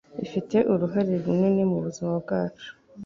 Ifite uruhare runini mubuzima bwacu